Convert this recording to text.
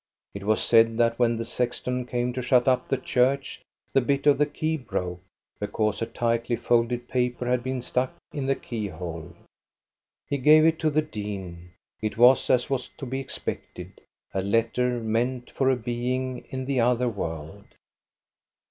It was said that when the sexton came to shut up the church, the bit of the key broke, because a tightly folded paper had been stuck in the keyhole. He gave it to the dean. It was, as was to be expected, a letter meant for a being in the other world.